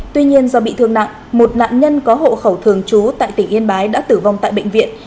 tuy nhiên do bị thương nặng một nạn nhân có hộ khẩu thường trú tại tỉnh yên bái đã tử vong tại bệnh viện